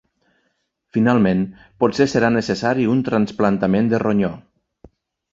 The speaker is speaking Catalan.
Finalment, potser serà necessari un trasplantament de ronyó.